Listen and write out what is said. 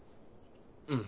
うん。